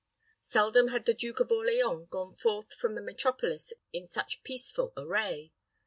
Seldom had the Duke of Orleans gone forth from the metropolis in such peaceful array.